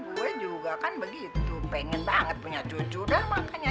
gue juga kan begitu pengen banget punya cucu dan makanya